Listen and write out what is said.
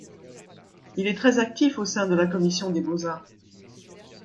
Il est très actif au sein de la commission des Beaux-Arts.